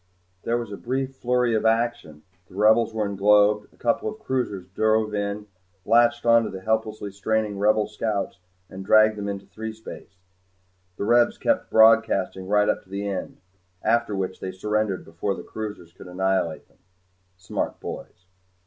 There was a brief flurry of action, the Rebels were englobed, a couple of cruisers drove in, latched onto the helplessly straining Rebel scouts and dragged them into threespace. The Rebs kept broadcasting right up to the end after which they surrendered before the cruisers could annihilate them. Smart boys.